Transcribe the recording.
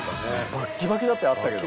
バッキバキだったよ会ったけど。